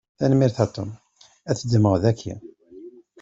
Tanemmirt a Tom, ad t-ddmeɣ daki.